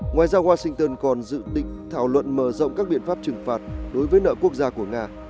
ngoài ra washington còn dự định thảo luận mở rộng các biện pháp trừng phạt đối với nợ quốc gia của nga